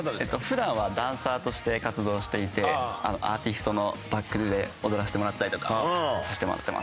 普段はダンサーとして活動していてアーティストのバックで踊らせてもらったりとかさせてもらってます。